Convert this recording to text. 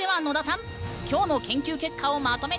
今日の研究結果をまとめて！